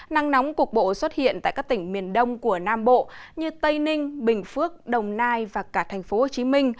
nắng nóng cục bộ xuất hiện tại các tỉnh miền đông của nam bộ như tây ninh bình phước đồng nai và cả tp hcm